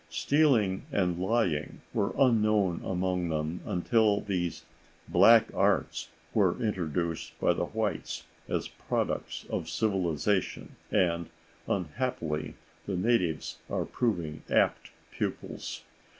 Stealing and lying were unknown among them until these "black arts" were introduced by the whites as products of civilization, and, unhappily, the natives are proving apt pupils.